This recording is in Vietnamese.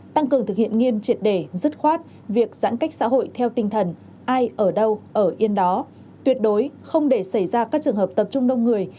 tăng cường thực hiện nghiêm triệt đề dứt khoát việc giãn cách xã hội theo tinh thần ai ở đâu ở yên đó tuyệt đối không để xảy ra các trường hợp tập trung đông người